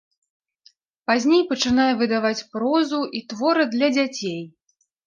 Пазней пачынае выдаваць прозу і творы для дзяцей.